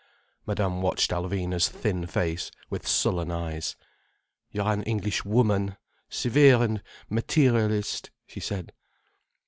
Madame watched Alvina's thin face with sullen eyes. "You are an Englishwoman, severe and materialist," she said.